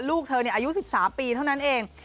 ลูกเธออายุ๑๓ปีเท่านั้นเอง